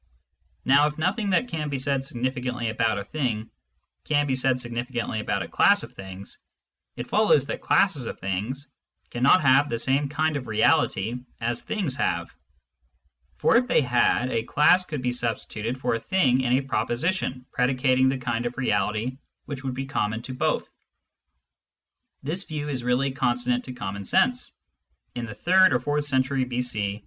Now, if nothing that can be said significantly about a thing can be said significantly about a class of things, it follows that classes of things cannot have the same kind of reality as things have ; for if they had, a class could be substituted for a thing in a proposition predicating the kind of reality which would be common to both. This view is really consonant to common sense. In the third or fourth century b.c.